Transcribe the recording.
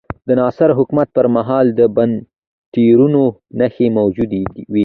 د ناصر حکومت پر مهال د بنسټونو نښې موجودې وې.